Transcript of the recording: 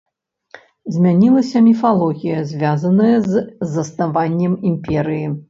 Змянілася міфалогія, звязаная з заснаваннем імперыі.